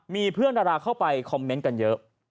มีเพื่อนดาราเข้าไปคอมเมนต์กันเยอะ